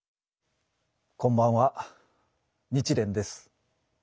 こんばんは日蓮です。